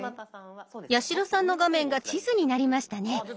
八代さんの画面が地図になりましたね。